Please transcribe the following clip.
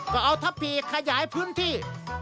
ก็เอาทัพปีกขยายพื้นที่